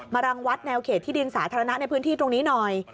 รังวัดแนวเขตที่ดินสาธารณะในพื้นที่ตรงนี้หน่อย